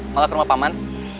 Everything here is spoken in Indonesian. malah ke rumah paman